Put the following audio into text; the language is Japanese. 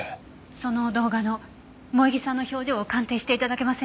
その動画の萌衣さんの表情を鑑定して頂けませんか？